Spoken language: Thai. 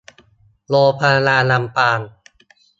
โรงพยาบาลลำปาง